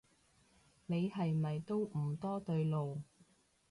你係咪都唔多對路